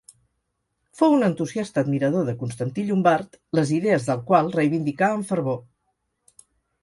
Fou un entusiasta admirador de Constantí Llombart, les idees del qual reivindicà amb fervor.